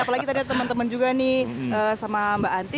apalagi tadi ada teman teman juga nih sama mbak anti